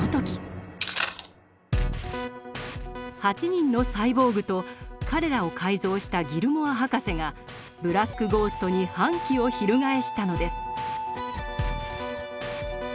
８人のサイボーグと彼らを改造したギルモア博士がブラック・ゴーストに反旗を翻したのです。